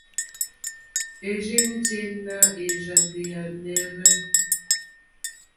Érzènjé nà érzàɡbèáɛ́nɛ́hwɛ́.